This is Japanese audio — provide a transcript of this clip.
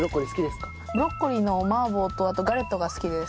ブロッコリーの麻婆とあとガレットが好きです。